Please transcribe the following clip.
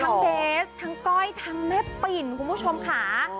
เบสทั้งก้อยทั้งแม่ปิ่นคุณผู้ชมค่ะ